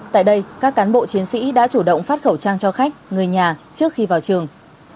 tại đây các cán bộ chiến sĩ đã chủ động phát khẩu trang cho khách người nhà trước khi vào trường